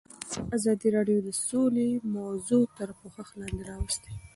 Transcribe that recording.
ازادي راډیو د سوله موضوع تر پوښښ لاندې راوستې.